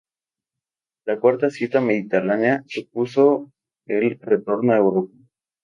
La cuarta cita mediterránea supuso el retorno a Europa.